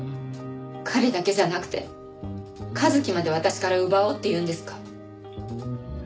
彼だけじゃなくて一輝まで私から奪おうっていうんですか？